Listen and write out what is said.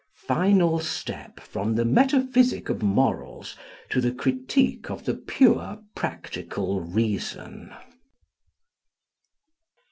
Final step from the metaphysic of morals to the critique of the pure practical reason.